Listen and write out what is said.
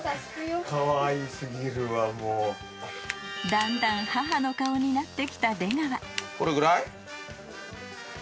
［だんだん母の顔になってきた出川］